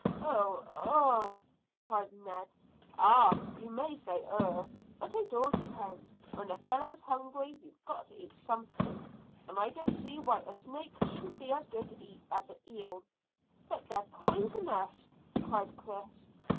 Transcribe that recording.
"Oh, ugh!" cried Ned. "Ah, you may say ugh, but it all depends; when a fellow's hungry he's got to eat something, and I don't see why a snake shouldn't be as good to eat as an eel." "But they're poisonous," cried Chris.